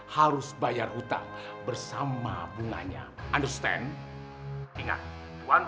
masih nyimpen uang kan